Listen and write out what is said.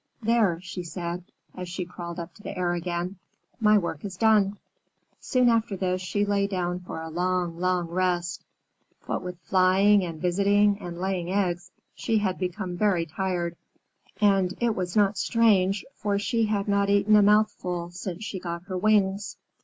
"There!" she said, as she crawled up to the air again. "My work is done." Soon after this, she lay down for a long, long rest. What with flying, and visiting, and laying eggs, she had become very tired; and it was not strange, for she had not eaten a mouthful since she got her wings.